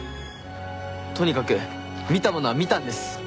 とにかく見たものは見たんです。